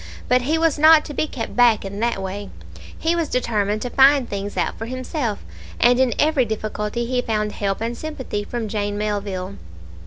But he was not to be kept back in that way; he was determined to find things out for himself, and in every difficulty he found help and sympathy from Jane Melville.